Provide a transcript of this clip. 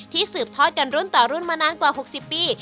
สืบทอดกันรุ่นต่อรุ่นมานานกว่า๖๐ปี